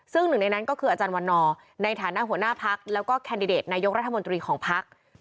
ซึ่งหนึ่งในนั้นก็คืออาจารย์วันนอร์ในฐานะหัวหน้าพักแล้วก็แคนดิเดตนายกรัฐมนตรีของพัก